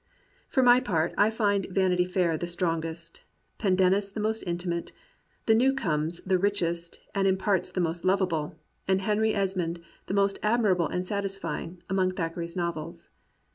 For my part, I find Vanity Fair the strongest, Pendennis the most intimate, The Newcomes the richest and in parts the most lovable, and Henry Esmond the most admirable and satisfying, among Thackeray's novels.